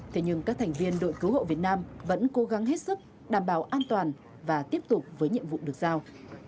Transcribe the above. thế nhưng các thành viên đội cứu hộ việt nam vẫn cố gắng hết sức đảm bảo an toàn và tiếp tục với nhiệm vụ được giao